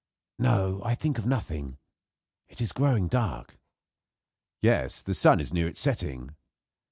"No, I think of nothing, It is growing dark." "Yes; the sun is near its setting."